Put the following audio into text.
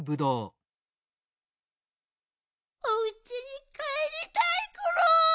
おうちにかえりたいコロ。